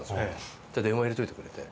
そしたら電話入れておいてくれて。